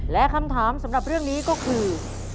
และคำถามสำหรับเรื่องนี้ก็คือ